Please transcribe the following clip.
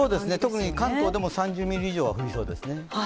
特に関東でも３０ミリ以上は降りそうですね。